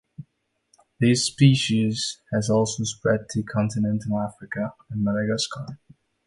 This species has also spread to continental Africa and Madagascar.